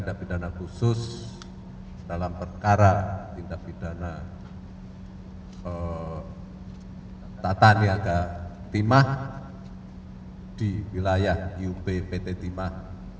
dan bidana khusus dalam perkara tidak bidana tata niaga timah di wilayah kuhb pt timah